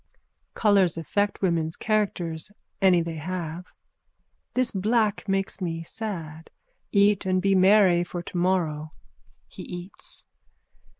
Colours affect women's characters, any they have. This black makes me sad. Eat and be merry for tomorrow. _(He eats.)